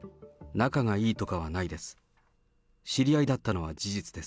仲がいいとかはないです。